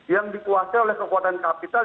yang dikuasai oleh kekuatan kapital